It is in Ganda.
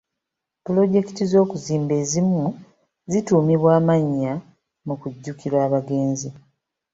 Pulojekiti z'okuzimba ezimu zituumibwa amannya mu kujjukira abagenzi.